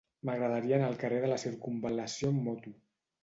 M'agradaria anar al carrer de Circumval·lació amb moto.